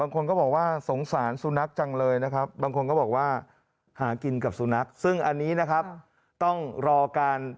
อันนี้ผมไม่สามารถตอบให้ได้ครับผม